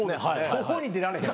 とうに出られへん。